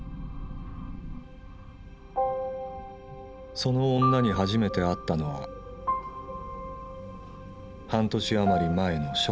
その女に初めて会ったのは半年余り前の初夏だった